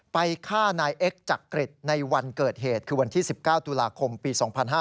ไปฆ่านายเอ็กซ์จักริตในวันเกิดเหตุคือวันที่๑๙ตุลาคมปี๒๕๕๙